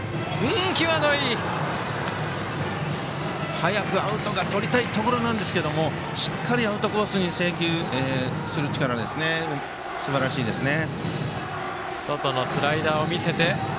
早くアウトがとりたいところなんですがしっかりアウトコースに制球する力すばらしいですね。